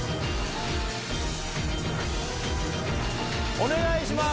お願いします！